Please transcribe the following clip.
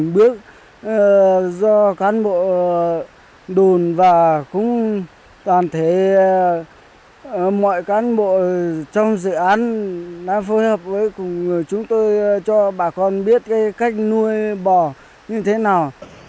mọi cán bộ trong dự án đã phối hợp với chúng tôi cho bà con biết cách nuôi bò như thế nào